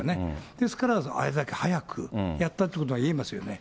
ですからあれだけ早くやったということがいえますよね。